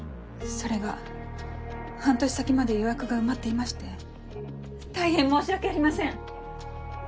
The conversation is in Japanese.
それが半年先まで予約が埋まっていまして大変申し訳ありません！